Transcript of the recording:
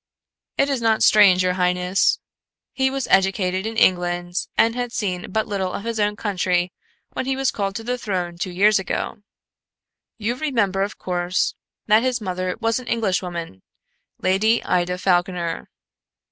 "It is not strange, your highness. He was educated in England and had seen but little of his own country when he was called to the throne two years ago. You remember, of course, that his mother was an Englishwoman Lady Ida Falconer."